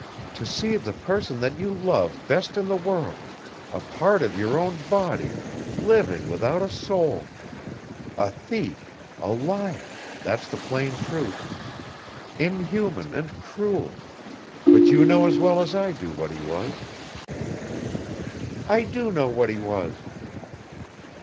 To see the person that you love best in the world, a part of your own body, living without a soul: a thief, a liar that's the plain truth inhuman and cruel ... But you know as well as I do what he was." "I do know what he was."